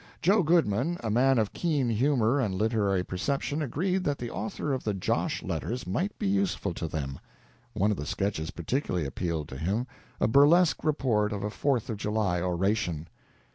"Joe" Goodman, a man of keen humor and literary perception, agreed that the author of the "Josh" letters might be useful to them. One of the sketches particularly appealed to him a burlesque report of a Fourth of July oration.